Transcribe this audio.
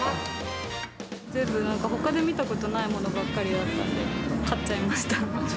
全部なんか、ほかで見たことないものばっかりだったんで、買っちゃいました。